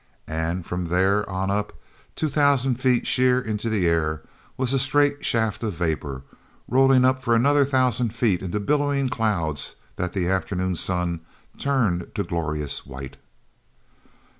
And, from there on up, two thousand feet sheer into the air, was a straight shaft of vapor, rolling up for another thousand feet into billowing clouds that the afternoon sun turned to glorious white.